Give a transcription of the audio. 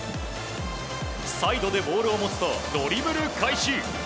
サイドでボールを持つとドリブル開始。